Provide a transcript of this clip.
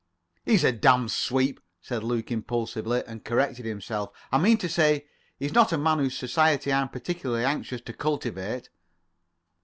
"He's a damned sweep," said Luke impulsively, and corrected himself. "I mean to say, he's not a man whose society I'm particularly anxious to cultivate."